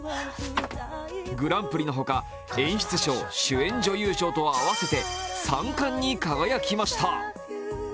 グランプリの他演出賞、主演女優賞と合わせて３冠に輝きました。